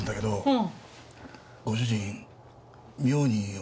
うん。